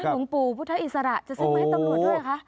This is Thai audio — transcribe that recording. หลวงปูพุทธอิสระจะซื้อไหมตำรัวด้วยค่ะ